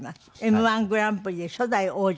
Ｍ−１グランプリで初代王者。